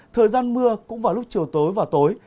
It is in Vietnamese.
thời gian mưa cũng vào lúc chiều tối và tối